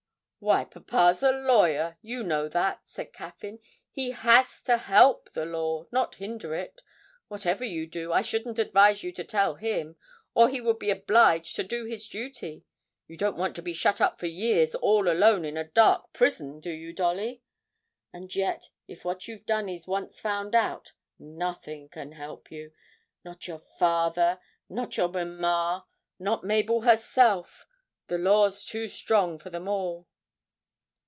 'Why, papa's a lawyer you know that,' said Caffyn; 'he has to help the law not hinder it. Whatever you do, I shouldn't advise you to tell him, or he would be obliged to do his duty. You don't want to be shut up for years all alone in a dark prison, do you, Dolly? And yet, if what you've done is once found out, nothing can help you not your father, not your mamma not Mabel herself the law's too strong for them all!'